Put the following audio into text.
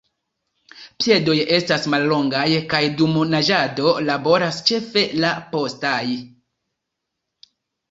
Piedoj estas mallongaj kaj dum naĝado laboras ĉefe la postaj.